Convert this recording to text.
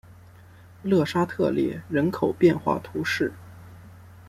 勒沙特列人口变化图示